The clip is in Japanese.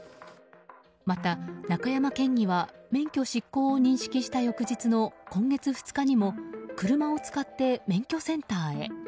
また、中山県議は免許失効を認識した翌日の今月２日にも車を使って免許センターへ。